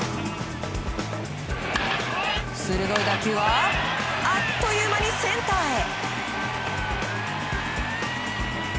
鋭い打球はあっという間にセンターへ。